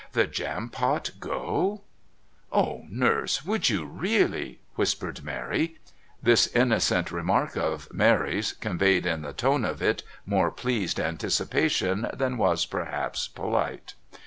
The Jampot go? "Oh, Nurse, would you really?" whispered Mary. This innocent remark of Mary's conveyed in the tone of it more pleased anticipation than was, perhaps, polite.